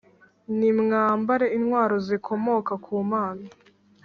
Nimwambare intwaro zikomoka ku Mana,